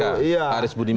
pak arief budiman